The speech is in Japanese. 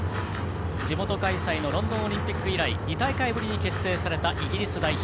地元開催のロンドンオリンピック以来２大会ぶりに結成されたイギリス代表。